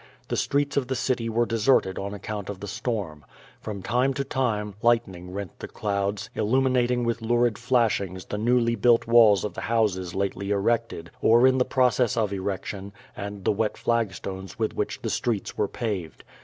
The streets of the city were deserted on account of the storm. From time to time, lightning rent the clouds, illuminating with lurid flashings the newly built walls of the houses lately erected, or in the process of erection, and the wet flagstones with which the streets were paved.